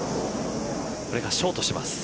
これがショートします。